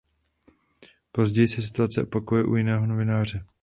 Později se situace opakuje u jiného novináře.